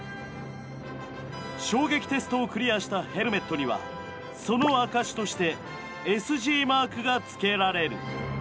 衝撃テストをクリアしたヘルメットにはその証しとしてＳＧマークがつけられる。